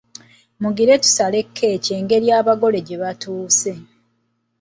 Mugire tusale kkeeki engeri abagole gye batuuse.